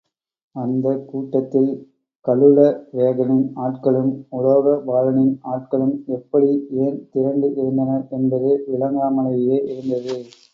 அந்தக் கூட்டத்தில் கலுழவேகனின் ஆட்களும், உலோக பாலனின் ஆட்களும் எப்படி ஏன் திரண்டு இருந்தனர் என்பது விளங்காமலேயே இருந்தது.